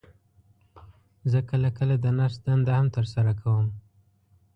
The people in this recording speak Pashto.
زه کله کله د نرس دنده هم تر سره کوم.